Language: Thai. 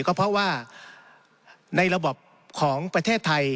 ก็เพราะว่าในระบบของประเทศไทย